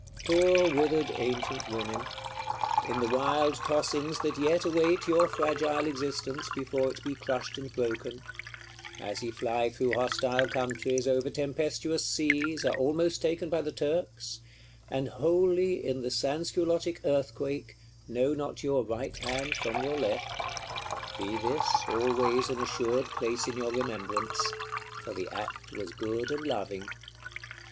Poor withered ancient women! in the wild tossings that yet await your fragile existence, before it be crushed and broken; as ye fly through hostile countries, over tempestuous seas, are almost taken by the Turks; and wholly, in the Sansculottic Earthquake, know not your right hand from your left, be this always an assured place in your remembrance: for the act was good and loving!